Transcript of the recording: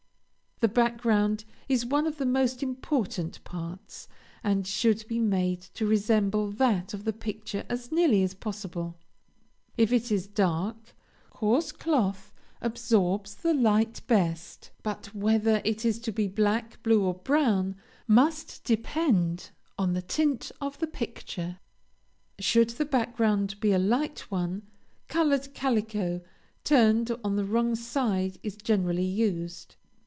The background is one of the most important parts, and should be made to resemble that of the picture as nearly as possible; if it is dark, coarse cloth absorbs the light best; but whether it is to be black, blue, or brown, must depend on the tint of the picture; should the background be a light one, colored calico, turned on the wrong side, is generally used.